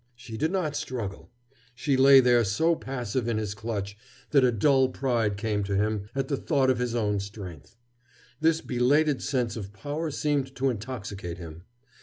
She did not struggle. She lay there so passive in his clutch that a dull pride came to him at the thought of his own strength. This belated sense of power seemed to intoxicate him.